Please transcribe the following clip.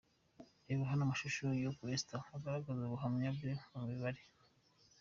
Reba hano amashusho y'uko Esther agaragaza ubuhanga bwe mu mibare.